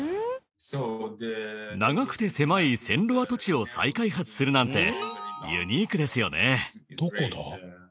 長くて狭い線路跡地を再開発するなんてユニークですよね。